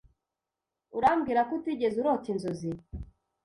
Urambwira ko utigeze urota inzozi?